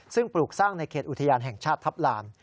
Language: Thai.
ซึ่งปลูกสร้างในเขตอุทยานแห่งชาติทัพลาน